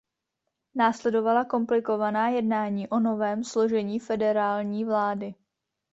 Následovala komplikovaná jednání o novém složení federální vlády.